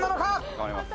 頑張ります。